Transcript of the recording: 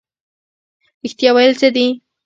رښتیا ویل څه دي؟